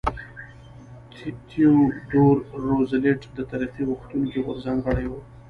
تیودور روزولټ د ترقي غوښتونکي غورځنګ غړی و.